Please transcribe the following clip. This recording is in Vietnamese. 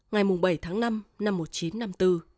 ngày bảy tháng năm năm một nghìn chín trăm năm mươi bốn